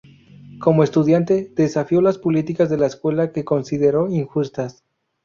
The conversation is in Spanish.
Como estudiante, desafío las políticas de la escuela que consideró injustas.